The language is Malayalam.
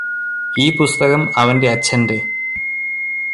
ഈ പുസ്തകം അവന്റെ അച്ഛന്റെ